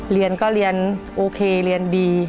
เรียนก็เรียนโอเคเรียนดี